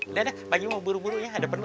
udah pak haji mau buru buru ya ada perlu